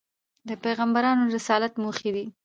د پیغمبرانود رسالت موخي دي.